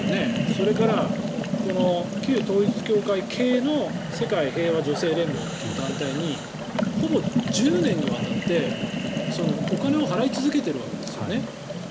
それから、旧統一教会系の世界平和女性連合という団体にほぼ１０年にわたって、お金を払い続けてるわけですよね。